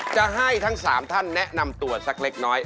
จะให้ทั้ง๓ท่านแนะนำตัวสักเล็กน้อย